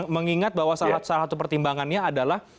mengingat bahwa salah satu pertimbangannya adalah